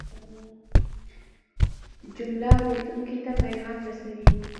جمله اورېدونکي ته پیغام رسوي.